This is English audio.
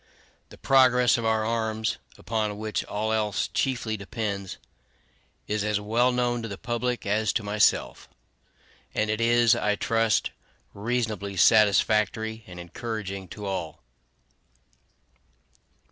The progress of our arms, upon which all else chiefly depends, is as well known to the public as to myself; and it is, I trust, reasonably satisfactory and encouraging to all.